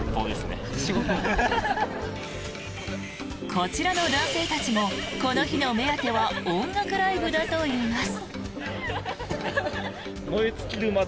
こちらの男性たちもこの日の目当ては音楽ライブだといいます。